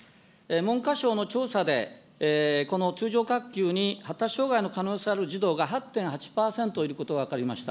文科省の調査で、この通常学級に発達障害の可能性のある児童が８．８％いることが分かりました。